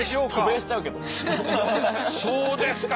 そうですか。